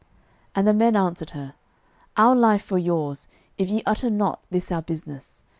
06:002:014 And the men answered her, Our life for yours, if ye utter not this our business.